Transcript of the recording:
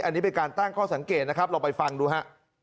อันนี้เป็นการตั้งข้อสังเกตนะครับลองไปฟังดูฮะ